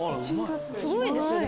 すごいですよね